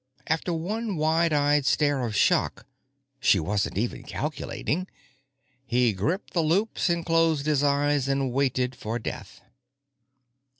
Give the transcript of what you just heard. After one wide eyed stare of shock—she wasn't even calculating!—he gripped the loops and closed his eyes and waited for death.